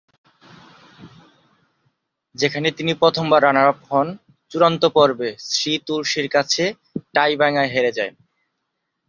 সেখানে তিনি প্রথম রানার আপ হন, চূড়ান্ত পর্বে শ্রী তুলসীর কাছে টাই ভাঙায় হেরে যান।